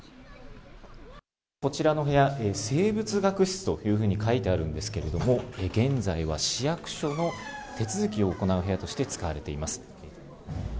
こちらの部屋、生物学室というふうに書いてあるんですけれども、現在は市役所の手続きを行う部屋として使われています。